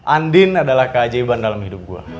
andin adalah keajaiban dalam hidup gue